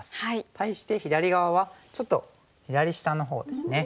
対して左側はちょっと左下のほうですね。